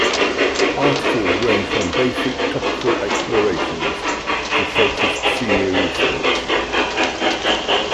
Articles range from basic topical explorations to focused senior research.